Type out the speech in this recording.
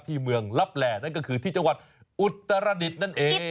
เมืองลับแหล่นั่นก็คือที่จังหวัดอุตรดิษฐ์นั่นเอง